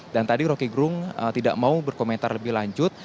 dan tadi roky gerung tidak mau berkomentar lebih lanjut